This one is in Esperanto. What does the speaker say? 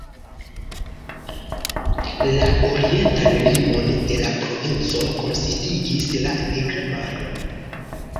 La orientan limon de la provinco konsistigis la Nigra Maro.